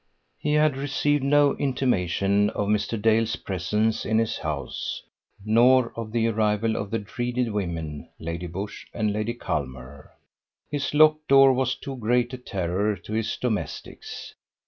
He had received no intimation of Mr. Dale's presence in his house, nor of the arrival of the dreaded women Lady Busshe and Lady Culmer: his locked door was too great a terror to his domestics.